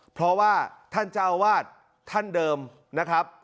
เพราะว่าท่านเจ้าวาดท่านเดิมนะครับ